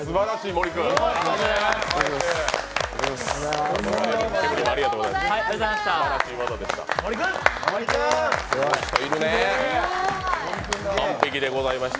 森君ありがとうございました。